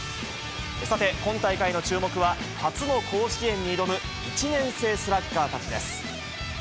さて、今大会の注目は、初の甲子園に挑む１年生スラッガーたちです。